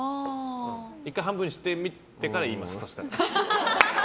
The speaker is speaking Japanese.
１回、半分にしてみてから言います。